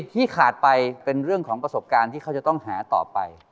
ที่ขาดไปเป็นเรื่องของประสบการณ์ที่เขาจะต้องหาต่อไป